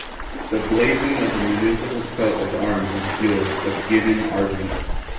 The blazon of the municipal coat of arms is Gules a Guidon Argent.